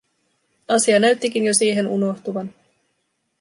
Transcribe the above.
Asia näyttikin jo siihen unohtuvan.